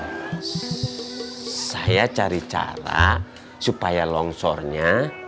nah saya cari cara supaya longsornya